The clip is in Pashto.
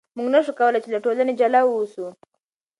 موږ نشو کولای له ټولنې څخه جلا اوسو.